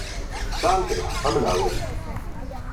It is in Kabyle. Tesɛamt lḥeqq, am leɛwayed.